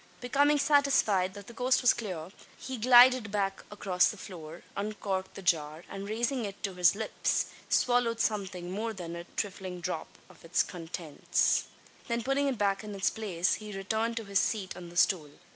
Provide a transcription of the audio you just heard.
Becoming satisfied that the coast was clear, he glided back across the floor; uncorked the jar; and, raising it to his lips, swallowed something more than a "thriflin' dhrap av its contints." Then putting it back in its place, he returned to his seat on the stool.